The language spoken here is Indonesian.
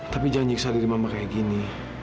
tapi jangan nyiksa diri mama kayak gini